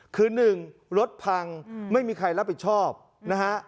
คือ๑รถพังไม่มีใครรับผิดชอบนะฮะ